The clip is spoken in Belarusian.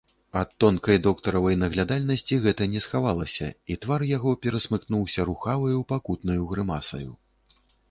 Ад тонкай доктаравай наглядальнасці гэта не схавалася, і твар яго перасмыкнуўся рухаваю, пакутнаю грымасаю.